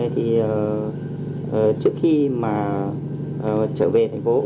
thì trước khi mà trở về thành phố